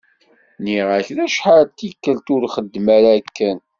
Nniɣ-ak-d acḥal d tikelt, ur xeddem ara akken.